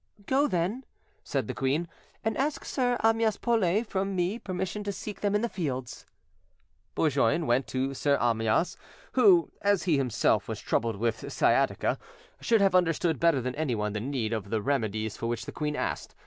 "Go, then," said the queen, "and ask Sir Amyas Paulet from me permission to seek them in the fields." Bourgoin went to Sir Amyas, who, as he himself was troubled with sciatica, should have understood better than anyone the need of the remedies for which the queen asked.